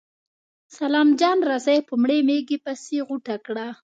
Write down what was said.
سلام جان رسۍ په مړې مږې پسې غوټه کړه.